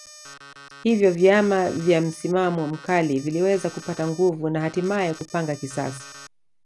Hivyo vyama vya msimamo mkali viliweza kupata nguvu na hatimaye kupanga kisasi